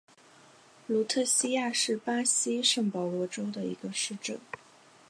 卢特西亚是巴西圣保罗州的一个市镇。